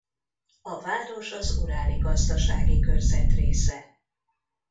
A város az Uráli Gazdasági Körzet része.